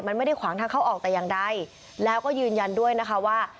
มันไม่ได้ขวางทางเข้าออกแต่อย่างใดแล้วก็ยืนยันด้วยนะคะว่า